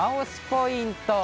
ポイント。